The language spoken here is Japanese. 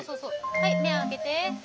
はい目開けて。